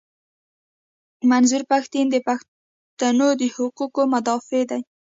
منظور پښتین د پښتنو د حقوقو مدافع دي.